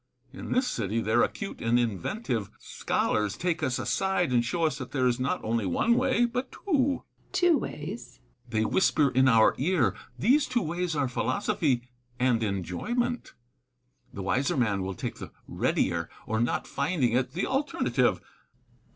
In this city, their acute and inventive scholars take us aside, and show us that there is not only one way, but two. Seneca. Two ways 1 Epictetus. They whisper in our ear, " These two ways are philosophy and enjoyment : the wiser man will take the readier, or, not finding it, the alternative."